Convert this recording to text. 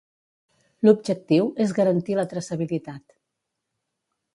L'objectiu és "garantir la traçabilitat".